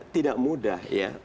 tidak mudah ya